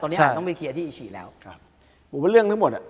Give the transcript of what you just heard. ตอนนี้อาจต้องไปเคลียร์ที่อีชีแล้วครับผมว่าเรื่องทั้งหมดอ่ะ